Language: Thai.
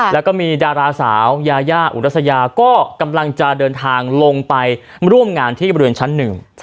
แล้วก็มีดาราสาวยายาอุรัสยาก็กำลังจะเดินทางลงไปร่วมงานที่บริเวณชั้นหนึ่ง